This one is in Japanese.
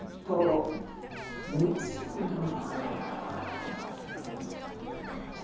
うまそうやな。